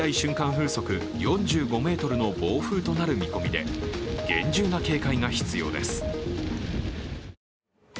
風速４５メートルの暴風となる見込みで厳重な警戒が必要です。